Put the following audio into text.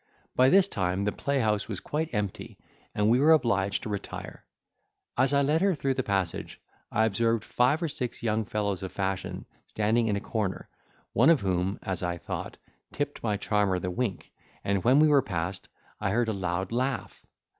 By this time the playhouse was quite empty, and we were obliged to retire. As I led her through the passage, I observed five or six young fellows of fashion standing in a corner, one of whom, as I thought, tipped my charmer the wink, and when we were passed, I heard a loud laugh.